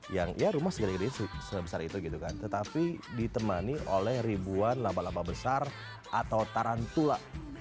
yang ya rumah segera sebesar itu gitu kan tetapi ditemani oleh ribuan laba laba besar atau tarantula